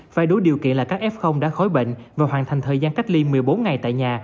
phải đủ điều kiện là các f đã khói bệnh và hoàn thành thời gian cách ly một mươi bốn ngày tại nhà